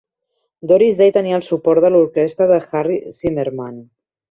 Doris Day tenia el suport de l'orquestra de Harry Zimmerman.